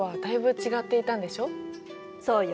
そうよ。